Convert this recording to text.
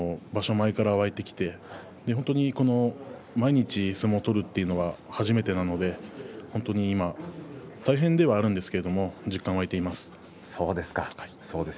前から湧いてきて本当に毎日、相撲を取るというのは初めてなので本当に今大変ではあるんですけれども実感が湧いています。